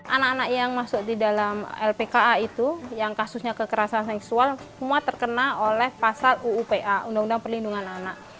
anak anak yang masuk di dalam lpka itu yang kasusnya kekerasan seksual semua terkena oleh pasal uupa undang undang perlindungan anak